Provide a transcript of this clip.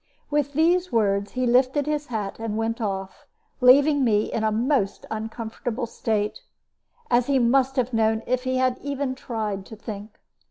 With these words, he lifted his hat and went off, leaving me in a most uncomfortable state, as he must have known if he had even tried to think.